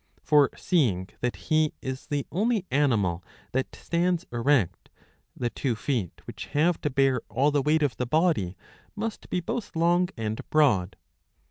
For seeing that he is the only animal that stands erect, the two feet which have to bear all the weight of the body must be both long and broad.